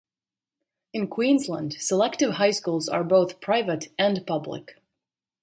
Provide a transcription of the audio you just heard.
In Queensland, selective high schools are both private and public.